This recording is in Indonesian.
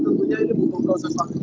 tentunya ini bukan proses wakil